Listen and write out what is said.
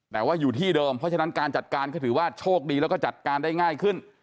แต่ว่าอยู่ที่เดิมเพราะฉะนั้นการจัดการก็ถือว่าโชคดีแล้วก็จัดการได้ง่ายขึ้น